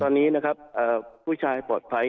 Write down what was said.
ตอนนี้นะครับผู้ชายปลอดภัย